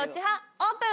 オープン。